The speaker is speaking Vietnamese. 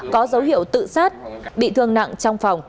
có dấu hiệu tự sát bị thương nặng trong phòng